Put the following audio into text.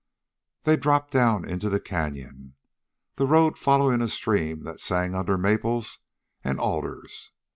They dropped down into the canyon, the road following a stream that sang under maples and alders.